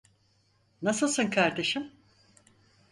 Nasılsın kardeşim?